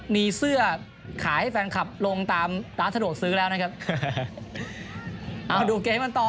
มีเสื้อขายให้แฟนคลับลงตามร้านถัดโหรสื้อแล้วนะครับอ้าวดูเกคให้มันต่อ